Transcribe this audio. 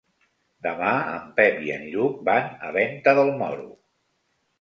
Demà en Pep i en Lluc van a Venta del Moro.